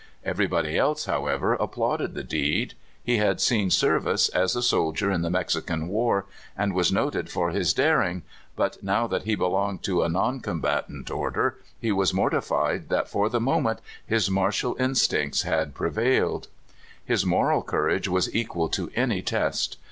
Everybody else, however, applauded the deed. He had seen service as a soldier in the Mexican war, and was noted for his daring, but now that he belonged to a noncombatant order, he was mortified that for the moment his martial instincts had prevailed. His moral courage was equal to any test.